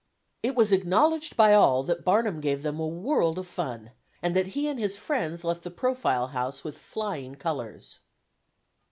It was acknowledged by all that Barnum gave them a world of 'fun,' and that he and his friends left the Profile House with flying colors."